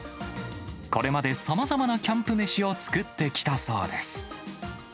これまでさまざまなキャンプ飯を作ってきたそうです。